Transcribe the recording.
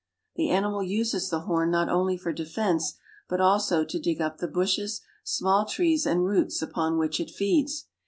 The animal uses the horn not only for de fense, but also to dig up the bushes, small trees, and roots upon which it feeds.